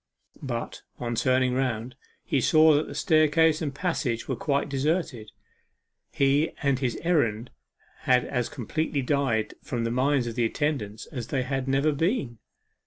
But, on turning round, he saw that the staircase and passage were quite deserted. He and his errand had as completely died from the minds of the attendants as if they had never been.